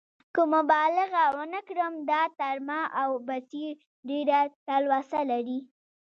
که مبالغه ونه کړم، دا تر ما او بصیر ډېره تلوسه لري.